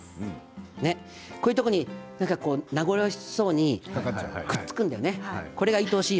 こういうところに名残惜しそうにくっつくんでね。